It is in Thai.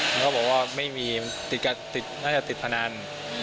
มันว่าไม่มีน่าจะติดพนัน